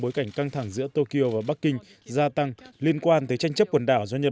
bối cảnh căng thẳng giữa tokyo và bắc kinh gia tăng liên quan tới tranh chấp quần đảo do nhân